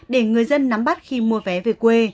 để người dân nắm bắt khi mua vé về quê